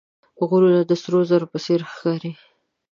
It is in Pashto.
غرونه د سرو زرو په څېر ښکاري